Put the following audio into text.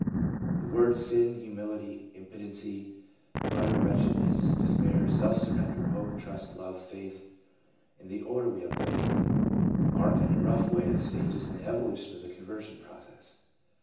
The words sin, humility, impotency, utter wretchedness, despair, self surrender, hope, trust, love, faith — in the order we have placed them — mark in a rough way stages in the evolution of the conversion process.